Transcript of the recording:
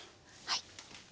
はい。